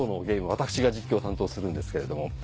私が実況を担当するんですけれども。